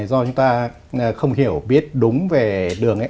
do chúng ta không hiểu biết đúng về đường